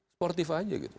sportif aja gitu